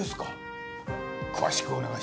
詳しくお願いします。